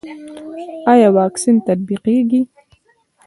آیا واکسین تطبیقیږي؟